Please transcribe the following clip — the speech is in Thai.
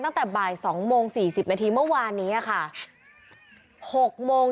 ตั้งแต่บ่ายสองโมงสี่สิบนาทีเมื่อวานนี้อะค่ะหกโมง